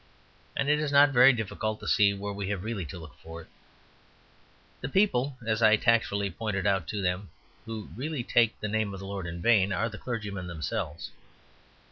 And it is not very difficult to see where we have really to look for it. The people (as I tactfully pointed out to them) who really take the name of the Lord in vain are the clergymen themselves.